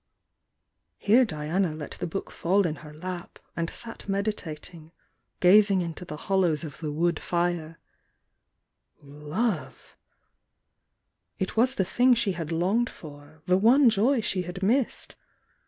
Here Diima let the book faU in her lap, and sat mediating, gamg i .to the hollows of the wood fim Lovel It was the thing she had longed for,— the J^Ijoy she had missed!